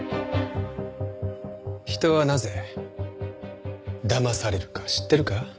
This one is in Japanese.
人はなぜ騙されるか知ってるか？